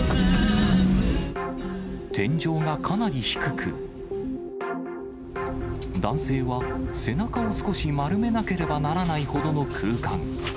天井がかなり低く、男性は背中を少し丸めなければならないほどの空間。